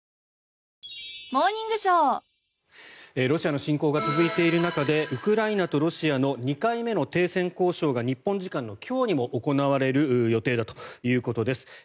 ロシアの侵攻が続いている中でウクライナとロシアの２回目の停戦交渉が日本時間の今日にも行われる予定だということです。